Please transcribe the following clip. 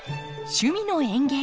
「趣味の園芸」